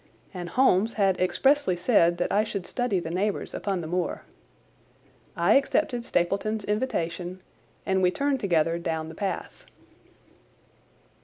And Holmes had expressly said that I should study the neighbours upon the moor. I accepted Stapleton's invitation, and we turned together down the path.